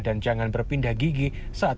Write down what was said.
dan jangan berpindah gigi saat kondisi kendaraan